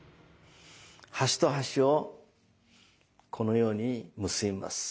端と端をこのように結びます。